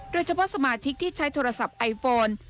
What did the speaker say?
โดยเฉพาะสมาชิกที่ใช้โทรศัพท์ไอโฟน